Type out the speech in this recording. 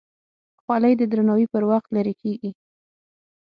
خولۍ د درناوي پر وخت لرې کېږي.